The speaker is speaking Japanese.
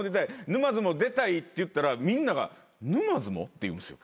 沼津も出たいって言ったらみんなが「沼津も？」って言うんすよ。